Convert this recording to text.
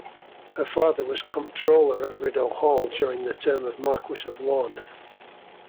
Her father was comptroller at Rideau Hall during the term of Marquess of Lorne.